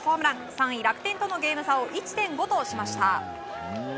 ３位楽天とのゲーム差を１．５としました。